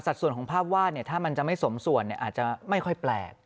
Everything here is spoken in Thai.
ส่วนของภาพวาดถ้ามันจะไม่สมส่วนอาจจะไม่ค่อยแปลก